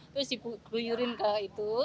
terus dibuyurin ke itu